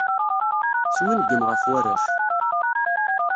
Swingem ɣef warrac.